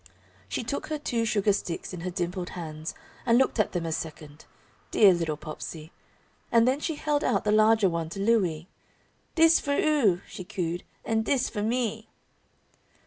She took her two sugar sticks in her dimpled hands and looked at them a second dear little Popsey! and then she held out the larger one to Louie. [Illustration: "Dis for 'ou."] "Dis for 'ou," she cooed, "and dis for me!"